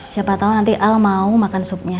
siapa tahu nanti al mau makan supnya